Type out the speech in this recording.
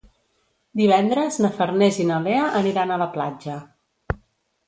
Divendres na Farners i na Lea aniran a la platja.